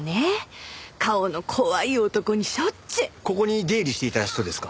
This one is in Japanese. ここに出入りしていた人ですか？